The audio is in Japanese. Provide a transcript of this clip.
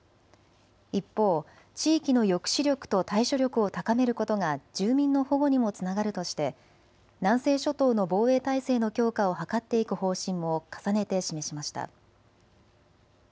一方、地域の抑止力と対処力を高めることが住民の保護にもつながるとして南西諸島の防衛体制の強化を図っていく方針も重ねて示しました。